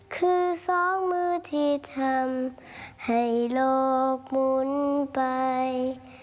คือสองมือที่ทำให้โลกมุนไป